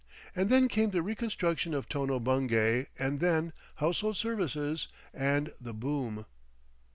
And then came the reconstruction of Tono Bungay, and then "Household services" and the Boom!